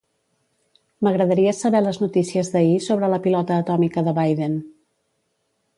M'agradaria saber les notícies d'ahir sobre la pilota atòmica de Biden.